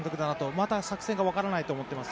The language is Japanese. また作戦が分からないと思ってます。